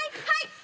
はい。